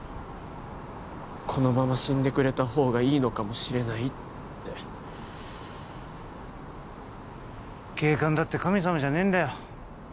このまま死んでくれたほうがいいのかもしれないって警官だって神様じゃねえんだよ